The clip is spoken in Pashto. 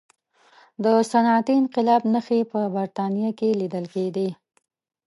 د صنعتي انقلاب نښې په برتانیا کې لیدل کېدې.